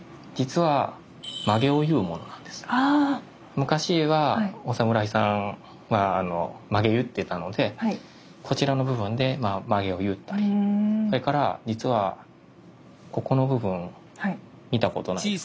昔はお侍さんは髷結ってたのでこちらの部分でまあ髷を結ったりそれから実はここの部分見たことないですか？